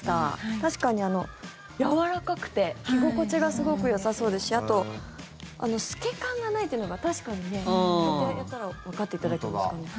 確かに、やわらかくて着心地がすごくよさそうですしあと透け感がないというのが確かにね。こうやってやったらわかっていただけますかね。